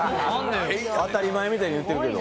当たり前みたいに言ってるけど。